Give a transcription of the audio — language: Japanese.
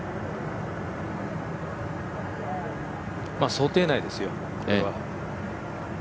想定内ですよ、これは。